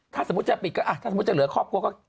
ถ้าสมมุติจะปิดก็ถ้าสมมุติจะเหลือครอบครัวก็